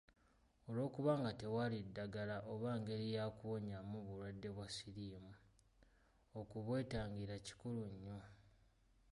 Olw’okuba nga tewali ddagala oba ngeri ya kuwonyaamu bulwadde bwa siriimu, okubwetangira kikulu nnyo.